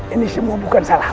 ini semua bukan salah